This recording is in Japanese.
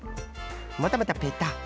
またまたペタッ。